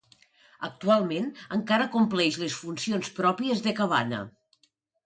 Actualment encara compleix les funcions pròpies de cabana.